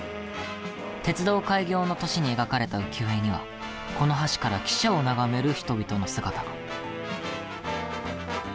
鉄道開業の年に描かれた浮世絵にはこの橋から汽車を眺める人々の姿が。